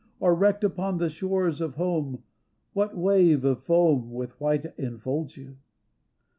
Or, wrecked upon the shores of home, What wave of foam with white enfolds you?